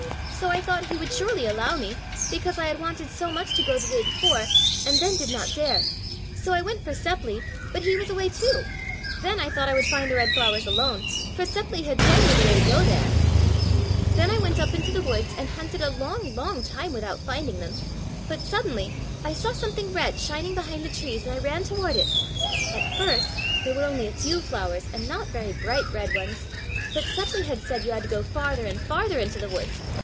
So I thought he would surely allow me, because I had wanted so much to go the day before, and then did not dare, so I went for Seppli, but he was away too. Then I thought I would find the red flowers alone, for Seppli had told me the way to go there." [Illustration: "MARTIN BENT OVER THE CHILD AND LAID HIS BROAD, STRONG HAND ON HER."] "Then I went up into the woods and hunted a long, long time without finding them. But suddenly I saw something red shining behind the trees and I ran toward it. At first there were only a few flowers and not very bright red ones, but Seppli had said you had to go farther and farther into the woods.